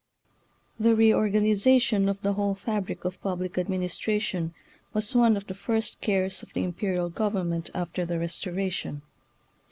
The reorganization of the whole fabric of public administration was one of the first cares of the imperial government after the Restoration.